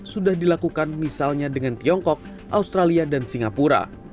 sudah dilakukan misalnya dengan tiongkok australia dan singapura